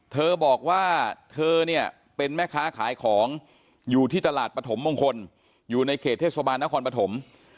เธอบอกว่าเธอเนี่ยเป็นแม่ค้าขายของอยู่ที่ตลาดปฐมมงคลอยู่ในเขตเทศบาลนครปฐม